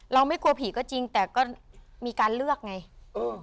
ไม่กลัวผีก็จริงแต่ก็มีการเลือกไงเออ